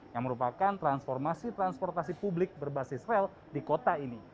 yang merupakan transformasi transportasi publik berbasis rel di kota ini